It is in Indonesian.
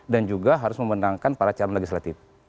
dan juga harus memenangkan para calon legislatif